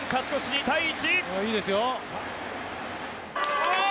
２対１。